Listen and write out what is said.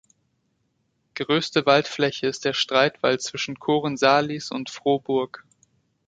Größte Waldfläche ist der Streitwald zwischen Kohren-Sahlis und Frohburg.